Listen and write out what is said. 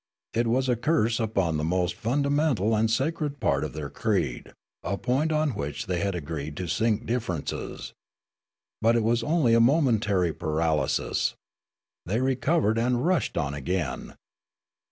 It was a curse upon the most fundamental and sacred part of their creed, a point on which they had agreed to sink differences. But it was only a momentary paralj'sis. They recovered and rushed on again.